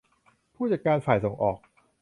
ผู้จัดการฝ่ายส่งออก